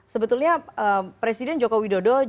sebetulnya presiden joko widodo